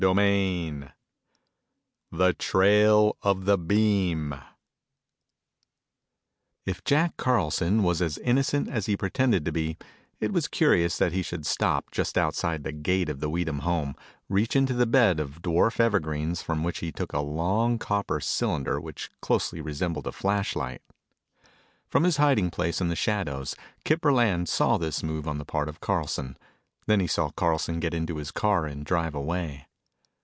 CHAPTER VII The Trail Of The Beam If Jack Carlson was as innocent as he pretended to be, it was curious that he should stop just outside the gate of the Weedham home, reach into a bed of dwarf evergreens from which he took a long copper cylinder which closely resembled a flashlight. From his hiding place in the shadows, Kip Burland saw this move on the part of Carlson. He then saw Carlson get into his car and drive away.